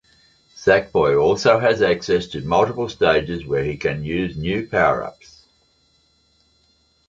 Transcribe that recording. Sackboy also has access to multiple stages where he can use new powerups.